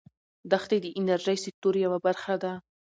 دښتې د انرژۍ سکتور یوه برخه ده.